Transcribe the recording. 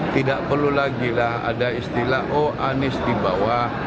tidak perlu lagi lah ada istilah oh anies di bawah